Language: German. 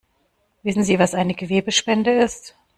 Wissen Sie, was eine Gewebespende ist?